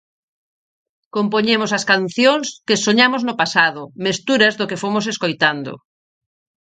Compoñemos as cancións que soñamos no pasado, mesturas do que fomos escoitando.